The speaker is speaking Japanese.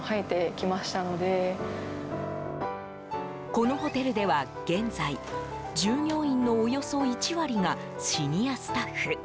このホテルでは現在、従業員のおよそ１割がシニアスタッフ。